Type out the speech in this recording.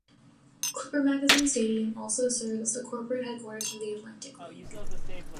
Clipper Magazine Stadium also serves as the corporate headquarters for the Atlantic League.